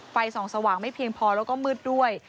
ไฟส่องสว่างไม่เพียงพอแล้วก็มืดด้วย